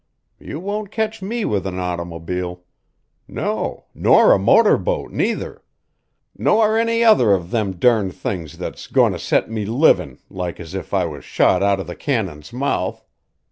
You won't ketch me with an automobile no, nor a motor boat, neither; nor any other of them durn things that's goin' to set me livin' like as if I was shot out of the cannon's mouth.